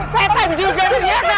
setan juga ternyata